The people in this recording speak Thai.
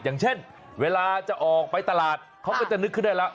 อย่างเช่นเวลาจะออกไปตลาดเขาก็จะนึกขึ้นได้แล้ว